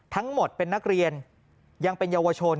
ทั้งหมดเป็นนักเรียนยังเป็นเยาวชน